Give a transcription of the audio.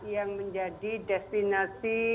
yang menjadi destinasi